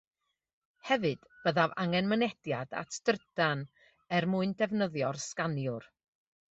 Hefyd byddaf angen mynediad at drydan er mwyn defnyddio'r sganiwr